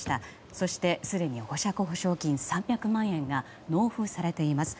そして、すでに保釈保証金３００万円が納付されています。